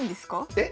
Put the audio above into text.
えっ？